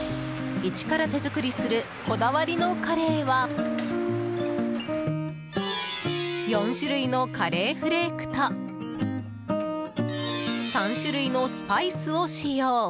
一から手作りするこだわりのカレーは４種類のカレーフレークと３種類のスパイスを使用。